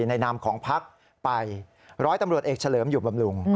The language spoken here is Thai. นามของพักไปร้อยตำรวจเอกเฉลิมอยู่บำรุง